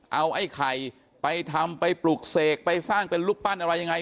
เอาไอ้ไข่ไปทำไปปลุกเสกไปสร้างเป็นรูปปั้นอะไรยังไง